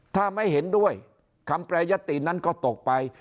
ถ้าไม่เห็นด้วยคำแปรยตินั้นก็ตกไป